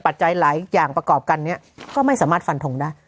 จัยหลายอย่างประกอบกันเนี่ยก็ไม่สามารถฟันทงได้